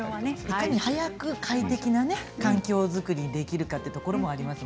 いかに早く快適な環境作りができるかということもあります